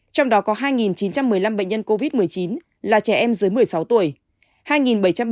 trong đó có hai chín trăm một mươi năm bệnh nhân covid một mươi chín là trẻ em dưới một mươi sáu tuổi